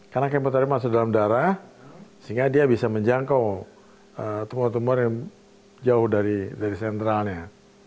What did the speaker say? karena kemoterapi masuk dalam darah sehingga dia bisa menjangkau tumor tumor yang jauh dari sentralnya